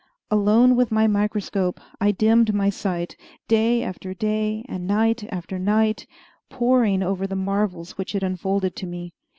Alone with my microscope, I dimmed my sight, day after day and night after night, poring over the marvels which it unfolded to me.